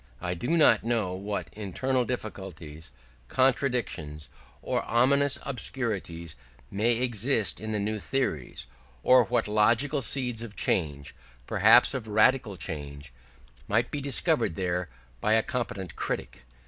I do not know what internal difficulties, contradictions, or ominous obscurities may exist in the new theories, or what logical seeds of change, perhaps of radical change, might be discovered there by a competent critic.